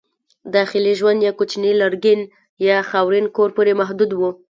داخلي ژوند یې کوچني لرګین یا خاورین کور پورې محدود و.